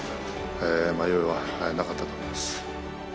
迷いはなかったと思います。